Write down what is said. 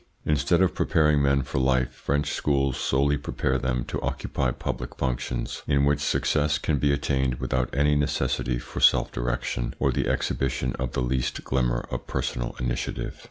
Instead of preparing men for life French schools solely prepare them to occupy public functions, in which success can be attained without any necessity for self direction or the exhibition of the least glimmer of personal initiative.